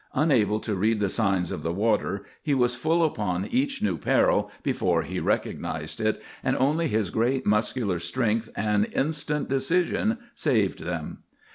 Unable to read the signs of the water, he was full upon each new peril before he recognized it, and only his great muscular strength and instant decision saved them.